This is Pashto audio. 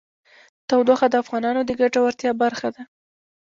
تودوخه د افغانانو د ګټورتیا برخه ده.